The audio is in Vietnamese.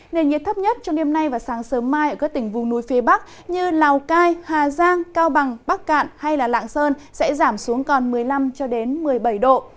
nền nhiệt thấp nhất trong đêm nay và sáng sớm mai ở các tỉnh vùng núi phía bắc như lào cai hà giang cao bằng bắc cạn hay lạng sơn sẽ giảm xuống còn một mươi năm một mươi bảy độ